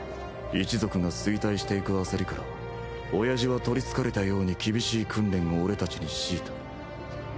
一族が衰退していく焦りから親父は取りつかれたように厳しい訓練を俺たちに強いた